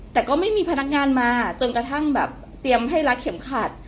แต่ก็ไม่มีพนักงานมาจนกระทั่งแบบเตรียมให้รักเข็มขัด